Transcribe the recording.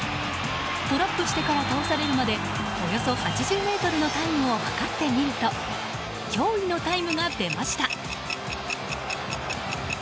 トラップしてから倒されるまでおよそ８０ｍのタイムを計ってみると驚異のタイムが出ました！